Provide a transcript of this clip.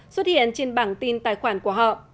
xuất hiện trên bảng tin tài khoản của họ